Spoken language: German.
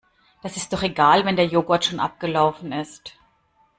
Das ist doch egal, wenn der Joghurt schon abgelaufen ist.